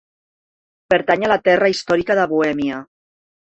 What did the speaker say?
Pertany a la terra històrica de Bohèmia.